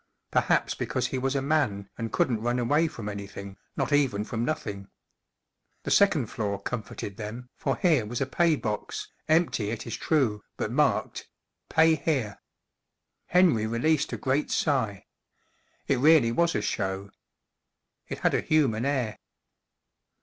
Perhaps because he was a man and couldn't run away from anything, not even from nothing. The second floor comforted them, for here was a pay box, empty it is true, but marked : “ Pay here.” Henry released a great sigh. It really was a show. It had a human air.